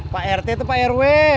pak rt itu pak rw